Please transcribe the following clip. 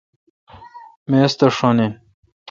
میز تو ݭن این۔